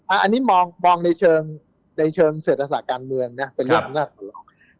อันนี้มองในเชิงเศรษฐศาการเมืองนะเป็นเรียบหน้าของเรา